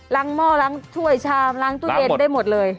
หม้อล้างถ้วยชามล้างตู้เย็นได้หมดเลย